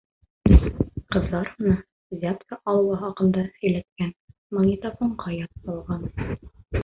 Ҡыҙҙар уны взятка алыуы хаҡында һөйләткән, магнитофонға яҙып алған.